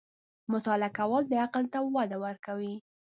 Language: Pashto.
• مطالعه کول، د عقل ته وده ورکوي.